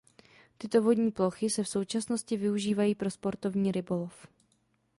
Tyto vodní plochy se v současnosti využívají pro sportovní rybolov.